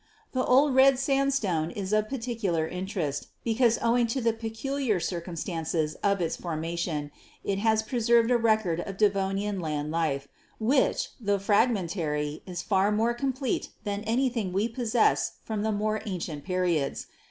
'The 'Old Red Sandstone' is of particular interest, be cause owing to the peculiar circumstances of its formation it has preserved a record of Devonian land life, which, tho fragmentary, is far more complete than anything we pos sess from the more ancient periods.